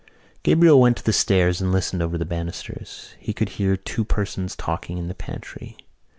Gabriel went to the stairs and listened over the banisters. He could hear two persons talking in the pantry.